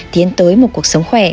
tiến tới một cuộc sống khỏe